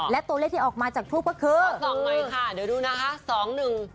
และตัวเลขที่ออกมาจากธูปก็คือ